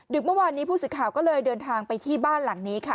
เมื่อวานนี้ผู้สื่อข่าวก็เลยเดินทางไปที่บ้านหลังนี้ค่ะ